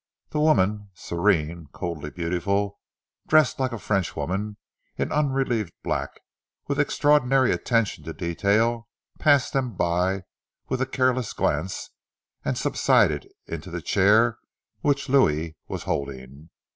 The woman, serene, coldly beautiful, dressed like a Frenchwoman in unrelieved black, with extraordinary attention to details, passed them by with a careless glance and subsided into the chair which Louis was holding.